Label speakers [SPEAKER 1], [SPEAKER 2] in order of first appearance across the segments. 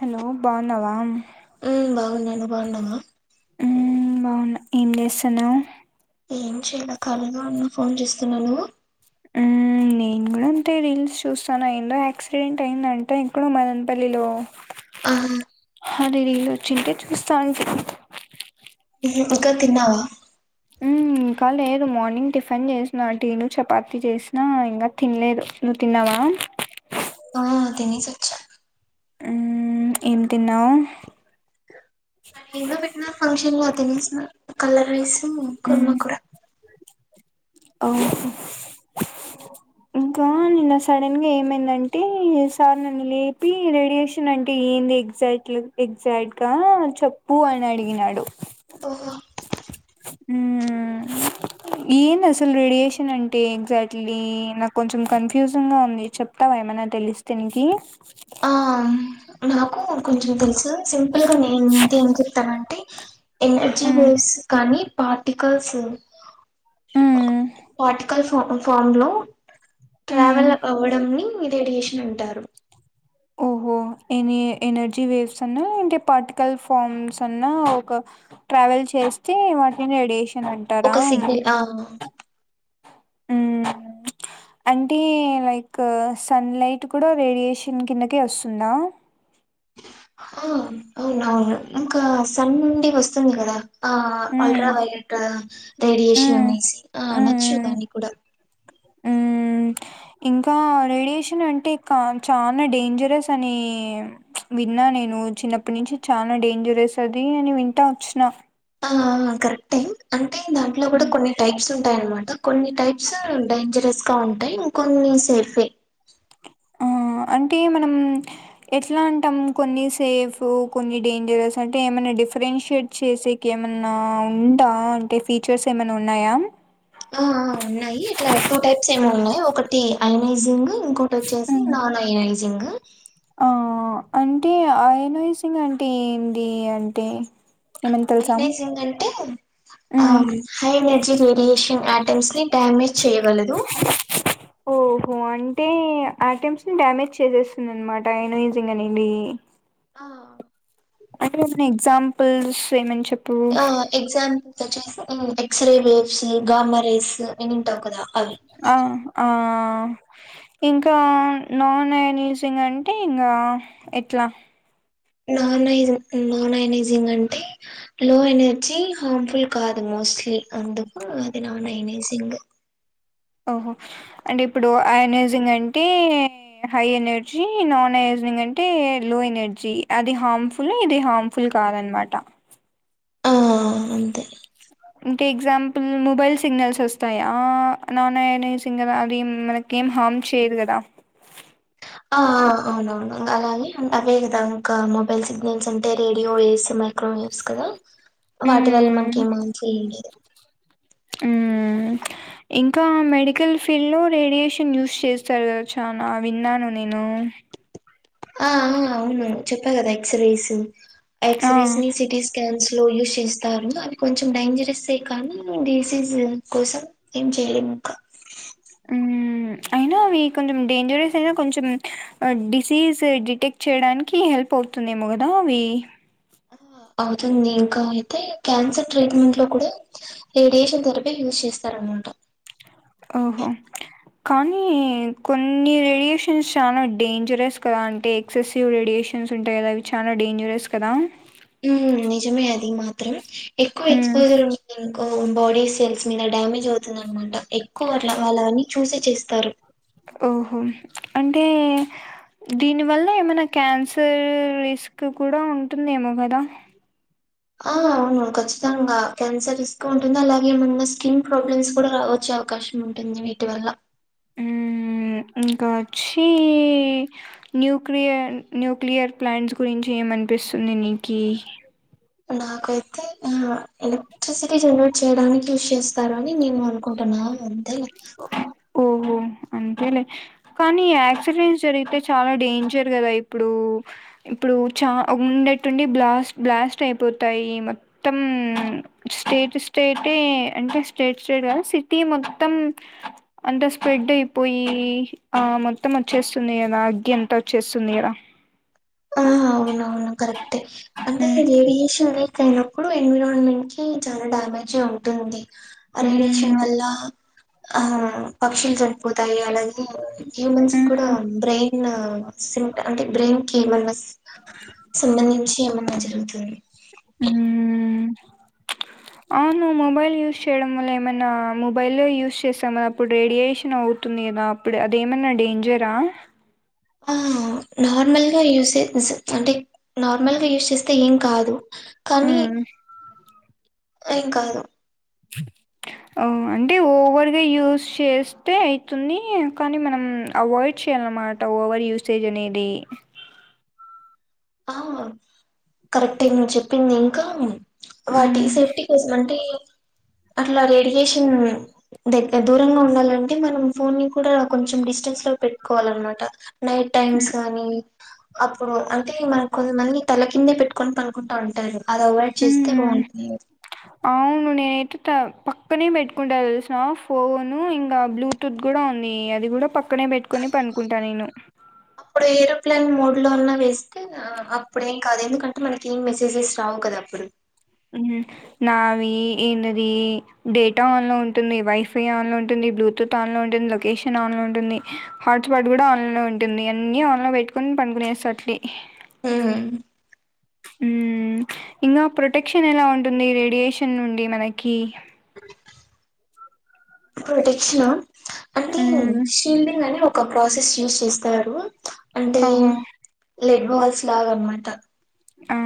[SPEAKER 1] Hello బావున్నావా
[SPEAKER 2] ఊ బావున్నా నువ్వు బావున్నావా
[SPEAKER 1] ఉమ్ బావున్నా ఏం జెస్తన్నవ్
[SPEAKER 2] ఏం చెయలే కాలిగనె ఉన్న ఫోన్ చుస్తున్నా నువ్వు
[SPEAKER 1] ఆ నేన్ నేన్గుడంతే రీల్స్ చూస్తాన ఏందో యాక్సిడెంట్ అయిందంట ఇక్కడ మదన్ పల్లిలో
[SPEAKER 2] ఆహ్
[SPEAKER 1] అదే రీల్లో వచ్చింటే చూస్తాంటి
[SPEAKER 2] ఉహు ఇంక తిన్నావా
[SPEAKER 1] మ్మ్, ఇంకా లేదు మార్నింగ్ టిఫిన్ చేస్నా. టీను చపాతి చేస్నా. ఇంకా తిన్లేదు. నువ్ తిన్నావా.
[SPEAKER 2] ఆ తినేసోచ్చా
[SPEAKER 1] ఉమ్ ఏం తిన్నావ్
[SPEAKER 2] ఎన్నో పెట్నర్ ఫంక్షన్ లో అతినేసీన కలర్ రైసూ కొరుమకుర
[SPEAKER 1] ఓహో ఇంకా న్ నిన్న సడన్ గా ఏమైందంటే సార్ నన్ను లేపి రేడియేషన్ అంటే ఏంది ఎగ్జాక్ట్లీ ఎగ్జాక్ట్ గా చెప్పు అనీ అడిగినాడు
[SPEAKER 2] ఓహో
[SPEAKER 1] ఉమ్ ఏందీ అసలు రేడియేషన్ అంటే ఎగ్జాక్ట్లీ నాక్ కొంచం కన్ఫ్యూజంగ్ గా ఉంది చెప్తావా ఏమైన తెలిస్తేనికి
[SPEAKER 2] ఆ నాకు కొంచెం తెలుసు సింపుల్ గా నేన్ నే ఏం చెప్తామంటే ఎనర్జీ
[SPEAKER 1] ఉమ్,
[SPEAKER 2] వేవ్స్ కానీ పార్టికల్స్
[SPEAKER 1] ఉమ్,
[SPEAKER 2] పార్టికల్స్ ఫా ఫామ్ లో
[SPEAKER 1] ఉమ్.
[SPEAKER 2] ట్రావెల్ అవ్వడం ని రేడియేషన్ అంటారు.
[SPEAKER 1] ఓహో ఎనీ ఎనర్జీ వేవ్స్ అన్న ఇంకే పార్టికల్స్ ఫార్మ్స్ అన్న ఒక ట్రావెల్ చేస్తే వాటిని రేడియేషన్ అంటారా
[SPEAKER 2] ఒక సిగ్నల్ ఆ
[SPEAKER 1] ఉమ్ అంటే లైక్ సన్ లైట్ కూడా రేడియేషన్ కిందకే వస్తుందా
[SPEAKER 2] ఆ అవునవును ఇంకా సన్ నుండి వస్తుంది గదా ఆ
[SPEAKER 1] um,
[SPEAKER 2] ultraviolet
[SPEAKER 1] um.
[SPEAKER 2] Radiation నేసి
[SPEAKER 1] ఊ ఊ
[SPEAKER 2] అనొచ్చు దాన్ని కూడా
[SPEAKER 1] ఉమ్ ఇంకా రేడియేషన్ అంటే క చాలా డేంజరస్ అని విన్నా నేను చిన్నప్పటి నుంచి చాలా డేంజరస్ అది అని వింటా వచ్చిన
[SPEAKER 2] ఆ కరెక్ట్ ఎ అంటే దాంట్లో కూడా కొన్ని టైప్స్ ఉ టాయినమాట కొన్ని టైప్స్ డేంజరస్ గా ఉంటాయి ఇం కొన్ని సేఫే
[SPEAKER 1] ఆ అంటే మనం ఎట్లా అంటాం కొన్ని సేఫ్ కొన్ని డేంజరస్ అంటే ఎమన్నా డీ డిఫరెన్షియేట్ చేసేకి ఎమన్నా ఉందా అంటే ఫీచర్స్ ఎమన్నా ఉన్నాయా
[SPEAKER 2] ఆ ఆ ఉన్నాయి ఇట్లా టూ టైప్స్ ఏమో ఉన్నాయి ఒకటి అనాలైజింగ్ ఇంకోటి వొచ్చేసి
[SPEAKER 1] ఉమ్.
[SPEAKER 2] నాన్ ఐనైజింగ్
[SPEAKER 1] ఆ అంటే ఆయనయ్సింగ్ అంటే ఏంటి అంటే ఏమన్నా తెలుసా
[SPEAKER 2] ఐనేజింగ్ అంటే హ
[SPEAKER 1] um
[SPEAKER 2] high energy radiation items ని డ్యామేజ్ చేయగలదు
[SPEAKER 1] ఉ అంటే అట్టెంపట్స్ ని డ్యామేజ్ చేసేస్తుంది అనమాట ఎన్నోఈజింగ్ అనేది
[SPEAKER 2] ఆ
[SPEAKER 1] అంటే ఏమైనా ఎగ్జాంపుల్స్ ఏమైన్ చెప్
[SPEAKER 2] ఆ ఎగ్జాంపుల్స్ వచ్చేసి ఎక్స్ రే వేవ్స్ గామరేస్ ఎనిమ్
[SPEAKER 1] ఆ ఆ ఇంకా నాన్ ఐనేజింగ్ అంటే ఇంగ ఎట్లా
[SPEAKER 2] ననైజ్ నాన్ ఐనేజింగ్ అంటే లో ఎనర్జీ హార్మ్ఫుల్ కాదు అన్మా మోస్ట్లీ అందుకు అది నాన్ ఐనేజింగ్
[SPEAKER 1] ఓహో అంటే ఇప్పుడు ఐనేజింగ్ అంటే హై ఎనర్జీ నాన్ ఐనే జింగ్ అంటే లో ఎనర్జీ అది హార్మ్ఫుల్ ఇది హార్మ్ఫుల్ కాదన్ మాట
[SPEAKER 2] ఆ అంతే
[SPEAKER 1] ఇంకో ఎగ్జాంపుల్ మొబైల్ సిగ్నల్స్ వొస్తాయా నాన్ ఐనేజింగ్ గదా అది మనకి ఎం హామ్ చేయదు కదా
[SPEAKER 2] ఆ ఆ అవునవును అలానే అవే గదా ఇంకా మొబైల్ సిగ్నల్స్ అంటే అంటే రేడియో వేవ్స్ మైక్రో వేవ్స్ కదా వాటి వల్ల
[SPEAKER 1] మ్మ్.
[SPEAKER 2] మనకి మంచి లే
[SPEAKER 1] ఉమ్ ఇంకా మెడికల్ ఫీల్డ్ లో రేడియేషన్ యూస్ చేస్తారు గదా చాలా విన్నాను నేను
[SPEAKER 2] ఆ అవునవును మేడం చెప్పా గదా ఎక్స్రేసు ఆ ఎక్స్రేస్ ని సిటీ స్కాన్ స్లో యూస్ చేస్తారు అది కొంచెం డైంజరసే కానీ డిసీజ్ కోసం ఏం చేయలేము ఇంకా
[SPEAKER 1] ఉమ్ అయినా అవి కొంచెం డేంజరస్ అయినా కొంచెం డిసీజ్ డిటెక్ట్ చేయడానికి హెల్ప్ అవు తుంది ఏమో గదా అవి
[SPEAKER 2] ఆ, అవుతుంది ఇంకా అయితే క్యాన్సర్ ట్రీట్మెంట్ లో కూడా రేడియేషన్ థెరపీ యూజ్ చేస్తారనమాట
[SPEAKER 1] ఓహో కానీ కొన్ని రేడియేషన్స్ చాలా డేంజరస్ కదా అంటే ఎక్సెసివ్ రేడియే షన్స్ ఉంటాయి కదా అవి చాలా డేంజరస్ కదా
[SPEAKER 2] ఉమ్ నిజమే అది మాత్రం ఎక్కువ
[SPEAKER 1] మ్మ్
[SPEAKER 2] ఎక్స్పోజర్ ఉం ఓ బాడీ సెల్స్ మీద డ్యామేజవుతుంది అనమాట ఎక్కువ అట్ల వాళ్ళ అన్నీ చూసే చేస్తారు
[SPEAKER 1] ఓహో అంటే దీని వల్ల ఏమైనా క్యాన్సర్ రిస్క్ కూడా ఉంటుందేమో గదా
[SPEAKER 2] ఆహ్ అవును ఖచ్చితంగా క్యాన్సరిస్క్ ఉంటుంది అలాగే ఏమన్నా స్కిన్ ప్రాబ్లమ్స్ కూడా రావచ్చు అవకాశం ఉంటుంది వీటి వల్ల
[SPEAKER 1] ఆహ్ ఉహ్ ఇంకా వచ్చీ న్యూక్లియర్ న్యూక్లియర్ ప్లాంట్స్ గురించి ఏం అనిపిస్తుంది నికీ
[SPEAKER 2] నాకైతే ఆహ్ ఎలక్ట్రిసిటీ జనరేట్ చేయడానికి యూస్ చేస్తారు అని నేను అనుకుంటా ఆ అంతే
[SPEAKER 1] ఓహో అంతేలే కానీ యాక్సిడెంట్స్ జరిగితే చాలా డేంజర్ గదా ఇప్పుడూ ఇప్పుడు ఇప్పుడు చ ఉనట్టుండి బ్లస్ బ్లాస్ట్ అయిపోతాయి మొత్తం స్టి స్టేటే అంటే స్టేట్ స్టేట్ గా సిటీ మొత్తం అంతా స్ప్రెడయిపోయి ఆ మొత్తం వచ్చేస్తుంది గదా అగ్గి అంత వచ్చేంది తుందిగద
[SPEAKER 2] ఆ అవునవును కరక్టే అంటే
[SPEAKER 1] మ్మ్
[SPEAKER 2] రేడియేషన్ అయినప్పుడు ఎన్విరాన్మెంట్ కి చాలా డ్యామేజె ఉంటుంది రేడియేషన్
[SPEAKER 1] మ్మ్
[SPEAKER 2] వల్ల ఆ పక్షులు చనిపోతాయి అలాగే హ్యూమన్స్ కూడా
[SPEAKER 1] మ్మ్
[SPEAKER 2] బ్రెయిన్ సి అంటే బ్రెయిన్ కి మ సంబంధించి ఎమన్నా జరుగుతుంది
[SPEAKER 1] హు అవును మొబైల్ యూజ్ చేయడం వల్ల ఏమనా మొబైల్లో యూజ్ చేస్తాం అప్పుడు రేడియేషన్ అవు ఉంటుందిగా అప్పుడు అదేమన్నా డేంజరా
[SPEAKER 2] ఆహ్ నార్మల్గా యూస్ చే యూస్ అంటే నార్మల్గా యూస్ చేస్తే ఏం కాదు కానీ
[SPEAKER 1] ఉమ్
[SPEAKER 2] ఏంకాదు
[SPEAKER 1] ఓ అంటే ఓవర్గా యూస్ చేస్తే అయితుంది కానీ మనం అవాయిడ్ చెయ్యాలాన్నమాట ఓవర్ యూసేజనేది
[SPEAKER 2] ఆహ్ కరెక్టే నువ్వు చెప్పింది ఇంకా వాటి
[SPEAKER 1] ఉమ్
[SPEAKER 2] సేఫ్టీ కోసమంటే అట్లా రేడియేషన్ దగ్గర దూరంగా ఉండాలంటే మనం ఫోన్ ని కూడా కొంచెం డిస్టెన్స్ లో పెట్టుకోవ్లన్నమాట నైట్ టైమ్స్ గానీ అప్పుడు అయితే మరి కొంత మంది తల కిందే పెట్టుకొని పనుకుంటుంటారు
[SPEAKER 1] ఉహ్ అవును నేనైతే త ప పక్కనే పెట్టుకుంటా తెల్సా ఫోను ఇంకా బ్లూటూత్ కూడా ఉంది అది కూడా పక్క పక్కనే పెట్టుకొని పనుకుంటా నేను
[SPEAKER 2] ఆన్లో ఉన్నా వేస్టే ఆ అప్పుడు కేందుకంటే మనకేం మెసేజెస్ రావు కదా అప్పుడు
[SPEAKER 1] ఉహ్ నావి ఏందది డేటా ఆన్ లో ఉంటుంది వైఫై ఆన్ లో ఉంటుంది బ్లూటూత్ ఆన్లో ఉంటుంది లొకేషన్ ఆన్లో ఉంటుంది హాట్స్పాట్ కూడా ఆన్లో ఉంటుంది అన్ని ఆన్లో పెట్టుకుని ఉహ్ పంగునె సట్లీ
[SPEAKER 2] ఉహ్
[SPEAKER 1] ఉహ్ ఇంగ ప్రొటెక్షన్ ఎలా ఉంటుంది రేడియేషన్ నుండి మనకి
[SPEAKER 2] ప్రొటెక్షనా అంటే
[SPEAKER 1] మ్మ్
[SPEAKER 2] షీల్డింగని ఒక ప్రాసెస్ యూస్ చేస్తారు
[SPEAKER 1] ఆహా
[SPEAKER 2] లెట్ బాల్స్ లాగ అనమాట
[SPEAKER 1] ఆ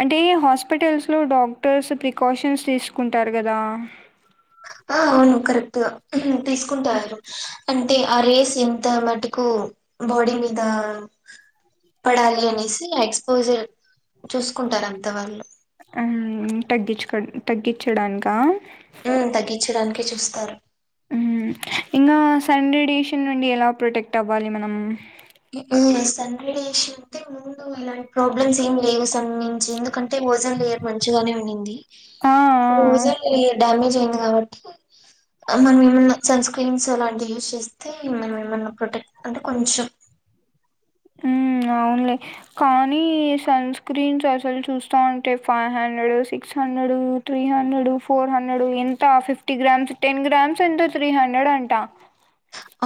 [SPEAKER 1] అంటే హాస్పిటల్స్ లో డాక్టర్స్ ప్రికాషన్స్ తీసుకుంటారు గదా.
[SPEAKER 2] ఆవును కరెక్ట్ త ఉహామ్ తీస్కుంటారు అంటే ఆ రేస్ ఎంత మటుకు బాడీ మీద పడాలి అనేసి ఆ ఎక్సపోసర్ చూస్కుంటాడంట వలు
[SPEAKER 1] హ్మ్ తాగిచుకో తగ్గిచ్చా దానిక్కా
[SPEAKER 2] హ్మ్ తగ్గించాడానికే చూస్తారు.
[SPEAKER 1] హ్మ్ ఇంగా సండేడేషన్ నుండి ఎలా ప్రొటెక్ట్ అవ్వాలి మనం
[SPEAKER 2] ఇమ్ సన్ రైజేషన్ ముందు ఎలాంటి ప్రాబ్లమ్స్ ఎం లేవు సన్ నుం చి ఎందుకన్ ఓజోన్ లేయర్ మంచిగానే ఉండింది.
[SPEAKER 1] ఆ ఆ
[SPEAKER 2] ఓజోన్ లేయర్ డామేజ్ హార్ట్ మనం ఏమన్న సన్‌స్క్రీన్స్ అలాంటి యూస్ చేస్తే మనం ఏమన్న ప్రొటెక్ట్ అంటే కొంచెం
[SPEAKER 1] హ్మ్ అవున్లే కానీ సన్‌స్క్రీన్స్ అసల్ చూస్తాంటే ఫైవ్ హ్యా six hundred three hundred, four hundred ఎంత ఫిఫ్టీ గ్రామ్స్ టెన్ గ్రామ్స్ ఎంతో త్రి హండ్రెడ్ అంటా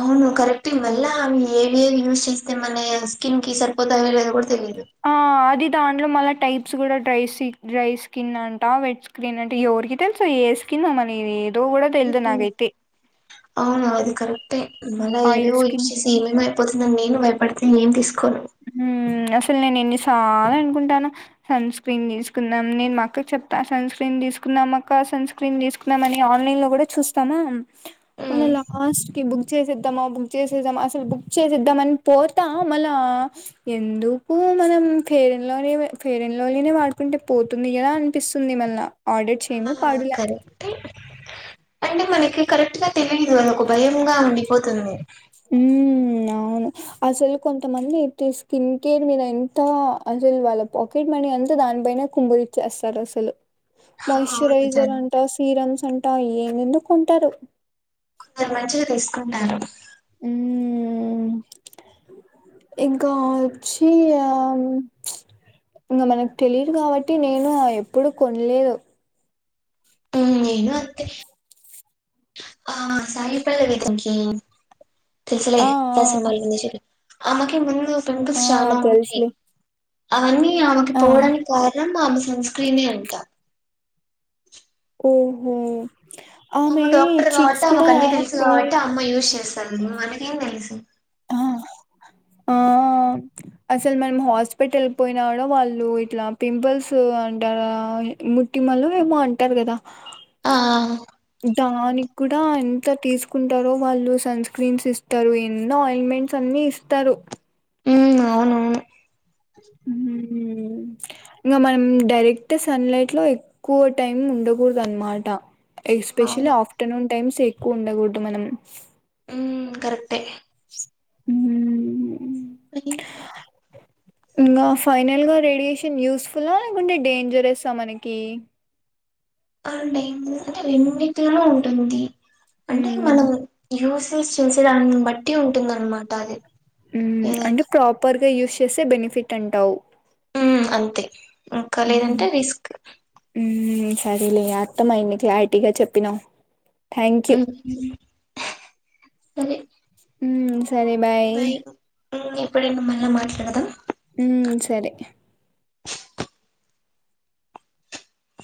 [SPEAKER 2] అవును కరెక్ట్ ఏ మల్లా ఆమె ఏవి ఏవి యూస్ చేస్ అంటె మనయ స్కిన్ కి సరిపోతాయో లేవో కూడా తెలీదు.
[SPEAKER 1] ఆ అదిదా ఇందులో మల్లా టైప్స్ కూడా ట్రైసిక్ డ్రై స్కిన్ అంటా వెట్ స్క్రిన్ అంత ఎవరికి తెల్సు యే స్కినో ఇది ఏదో కూడా తెలీదు నాకయితే
[SPEAKER 2] అవును అది కరెక్టే మల్ల
[SPEAKER 1] ఆయిల్
[SPEAKER 2] ఏవేవో యూస్
[SPEAKER 1] స్కిన్
[SPEAKER 2] చెసి ఏమేమో అయిపోతుందని, నేను బయపడ్తుంటే నేను తీసుకోను.
[SPEAKER 1] హ్మ్ అసల్ నేను ఎన్ని సార్లు అనుకుంటాను. సన్‌స్క్రీన్ తీసుకుందాం. నేను మా అక్క కి చెప్తా సన్‌స్క్రీన్ తీసుకున్నాం అక్క సన్‌స్క్రీన్ తీసుకునం అన్ని ఆన్లైన్లా కుడా చూస్తాన మళ్ళ
[SPEAKER 2] హ్మ్.
[SPEAKER 1] లాస్ట్కి బు బుక్ చేసేద్దామ బుక్ చేసేద్దామ అసలు బుక్ చేసేద్దాం అని పోత మళ్ళ ఎందుకు మనం ఫేరెన్ లవ్లీ వే ఫెరెన్ లవ్లీ నె వాడుకుంటే పోతుంది కదా అనిపిస్ స్తుంది మల్ల ఆర్డర్
[SPEAKER 2] ఆ
[SPEAKER 1] చేయను పాడులే
[SPEAKER 2] కరెక్టే అంటే మనకి కరెక్ట్ గా తెలీదుగా ఒక భయంగా ఉండిపోతుంది.
[SPEAKER 1] మ్మ్ అవును అసలు కొంతమంది అయితే స్కిన్ కేర్ మీద ఎంత అసలు వాళ్ళ పాకెట్ మనీ అంటె దానిపైనే కుంగరిచ్చేస్తారు అసలు
[SPEAKER 2] ఆ! అవును
[SPEAKER 1] మాయిశ్చరైజర్
[SPEAKER 2] చాలు
[SPEAKER 1] అంటా సీరమ్స్ అంటా ఏందేదో కొంటరు.
[SPEAKER 2] మంచిది తీసుకుంటాను
[SPEAKER 1] హ్మ్ ఊ ఇంకా వచ్చి హమ్ ఇంగ మనకి తెలీదు కాబట్టి నేను ఆ ఎప్పుడు కొన్లేదు.
[SPEAKER 2] ఊ నేను అంతే ఆ సాయి పల్లవి ఏదం కీ తెలుసులే
[SPEAKER 1] ఆ
[SPEAKER 2] ఫిదా సినిమా లో ఉంది చుడు ఆమెకి ముందు
[SPEAKER 1] ఆ
[SPEAKER 2] పింపిల్స్
[SPEAKER 1] ఆ
[SPEAKER 2] చాలా ఉన్నయ్
[SPEAKER 1] తెలుసులే
[SPEAKER 2] అవన్నీ ఆమెకి
[SPEAKER 1] ఆ
[SPEAKER 2] పోవడానికి కారణం ఆమె సన్‌స్క్రీనే అంటా.
[SPEAKER 1] ఉహూ
[SPEAKER 2] ఆమ డాక్టర్ కాబట్టి ఆమెకు అన్ని తెలుసు
[SPEAKER 1] పింక్
[SPEAKER 2] కాబట్టి అమ్మాయి యూజ్ చేస్తంది. మనకేం తెలుసు
[SPEAKER 1] అ ఆ ఆ అసలు మనం హాస్పిటల్ పోయిన కూడ వాళ్ళు ఇట్లా పింపుల్స్ అంటా అ ముట్టిమలు ఏమో అంటారు కదా
[SPEAKER 2] ఆ
[SPEAKER 1] దానికి కూడా ఎంత తీసుకుంటారో వాళ్ళు సన్‌స్క్రీన్స్ ఇస్తరు. ఎనో ఆయిన్మెంట్స్ అన్ ఈ ఇస్తారు
[SPEAKER 2] ఉమ్ అవునవును
[SPEAKER 1] హ్మ్ ఇగ మనం డైరెక్ట్ సన్‌లైట్లో ఎక్కువ టైం ఉండకూడదు అనమాట ఎస్పెషల్లీ
[SPEAKER 2] అవును
[SPEAKER 1] ఆఫ్టర్నూన్ టైమ్స్ ఎక్కువ ఉండకూడదు మనం
[SPEAKER 2] హ్మ్ కరెక్టే
[SPEAKER 1] హ్మ్ హ్మ్
[SPEAKER 2] అది
[SPEAKER 1] బ్లాంక్ ఇంకా ఫైనల్ గా రేడియేషన్ యూస్ఫులా లేకుంటే డేంజరస్సా మనకి
[SPEAKER 2] అండి అంటే రెండిట్లో ఉంటుంది అంటే
[SPEAKER 1] మ్మ్.
[SPEAKER 2] మనం యూస్ స్ చేసే దాన్ని బట్టి ఉంటుందనమాట అది.
[SPEAKER 1] ఉమ్ అంటే
[SPEAKER 2] ఏదైనా
[SPEAKER 1] ప్రాపర్గా యూస్ చేస్తే బెనిఫిట్ అంటావు
[SPEAKER 2] హ్మ్ అంతే ఇంకా లేదంటే
[SPEAKER 1] మ్మ్.
[SPEAKER 2] రిస్క్
[SPEAKER 1] సరేలే అర్ధమైంది క్లారిటీగా చెప్పినవు
[SPEAKER 2] ఉమ్ సరే
[SPEAKER 1] ఉమ్ సరే బాయ్
[SPEAKER 2] ఎప్పుడైనా మళ్ళ మాట్లాడదాం
[SPEAKER 1] ఉమ్ సరే